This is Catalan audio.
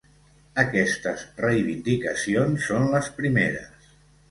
Aquestes reivindicacions són les primeres.